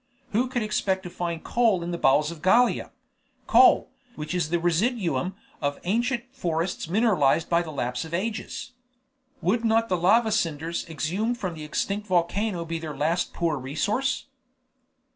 Who could expect to find coal in the bowels of Gallia, coal, which is the residuum of ancient forests mineralized by the lapse of ages? Would not the lava cinders exhumed from the extinct volcano be their last poor resource?